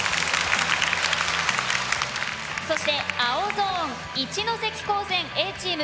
そして青ゾーン一関高専Ａチーム。